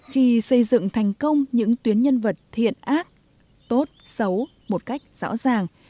khi xây dựng thành công những tuyến nhân vật thiện ác tốt xấu một cách rõ ràng